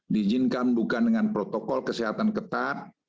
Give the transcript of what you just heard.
diizinkan bukan dengan protokol kesehatan ketat